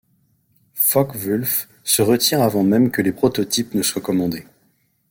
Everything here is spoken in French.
Focke-Wulf se retire avant même que les prototypes ne soient commandés.